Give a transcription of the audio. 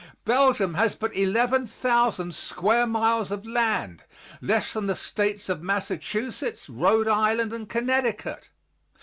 Belgium has but 11,000 square miles of land, less than the States of Massachusetts, Rhode Island and Connecticut.